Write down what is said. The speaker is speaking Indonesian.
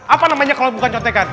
apa namanya kalau bukan contekan